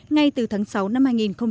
ngay từ tháng sáu năm hai nghìn một mươi sáu